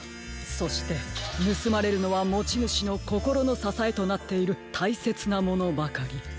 そしてぬすまれるのはもちぬしのこころのささえとなっているたいせつなものばかり。